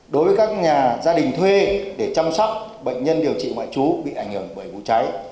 đối với các nhà gia đình thuê để chăm sóc bệnh nhân điều trị ngoại trú bị ảnh hưởng bởi vụ cháy